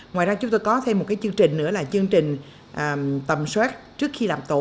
ngoài ra chúng tôi có thêm một chương trình nữa là chương trình tầm soát trước khi làm tổ